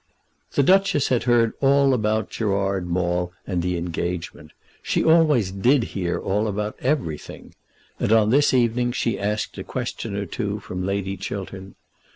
The Duchess had heard all about Gerard Maule and the engagement. She always did hear all about everything. And on this evening she asked a question or two from Lady Chiltern.